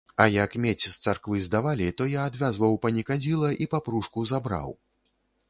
А як медзь з царквы здавалі, то я адвязваў панікадзіла і папружку забраў.